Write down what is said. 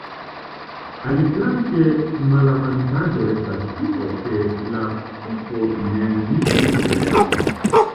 Aliflanke malavantaĝo estas tio, ke la pupo neniel reagas.